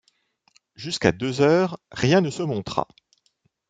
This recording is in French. Jusqu’à deux heures, rien ne se montra.